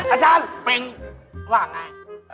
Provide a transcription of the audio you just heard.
อาจารย์เป็นว่าอย่างไร